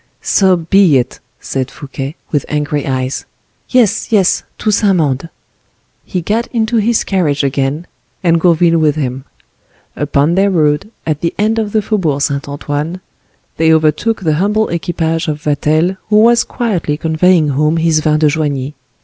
"So be it," said Fouquet, with angry eyes;—"yes, yes, to Saint Mande!" He got into his carriage again, and Gourville with him. Upon their road, at the end of the Faubourg Saint Antoine, they overtook the humble equipage of Vatel, who was quietly conveying home his vin de Joigny.